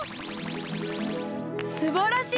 すばらしい！